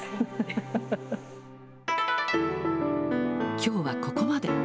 きょうはここまで。